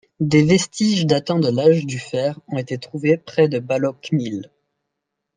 Des vestiges datant de l'âge du fer ont été trouvés près de Ballochmyle.